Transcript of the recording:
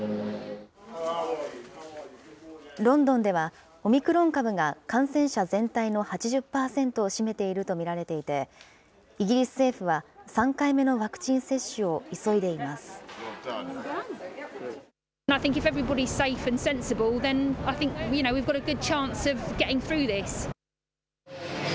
ロンドンでは、オミクロン株が感染者全体の８０％を占めていると見られていて、イギリス政府は、３回目のワクチン接種を急いでいます。